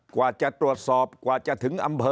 กว่าจะตรวจสอบกว่าจะถึงอำเภอ